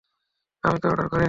আমি তো অর্ডার করিনি।